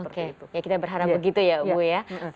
oke ya kita berharap begitu ya bu ya